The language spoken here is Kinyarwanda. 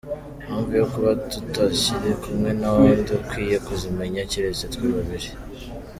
Impamvu yo kuba tutakiri kumwe nta wundi ukwiye kuzimenya, keretse twe babiri”.